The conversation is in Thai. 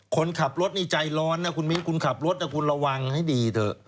คนขับรถนี่ใจร้อนนะคุณมิ้นคุณขับรถนะคุณระวังให้ดีเถอะ